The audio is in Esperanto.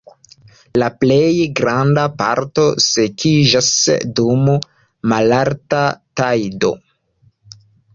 La plej granda parto sekiĝas dum malalta tajdo.